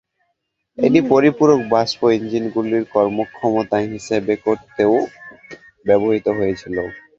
এটি পরিপূরক বাষ্প ইঞ্জিনগুলির কর্মক্ষমতা হিসেব করতেও ব্যবহৃত হয়েছিল।